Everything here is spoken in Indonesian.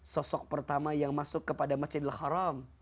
sosok pertama yang masuk kepada masjidil haram